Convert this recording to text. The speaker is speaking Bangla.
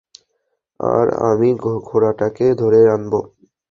আর, আমি ঘোড়াটাকে ধরে আনব!